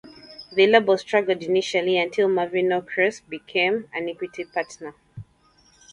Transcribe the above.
The label struggled initially until Marvin Norcross became an equity partner.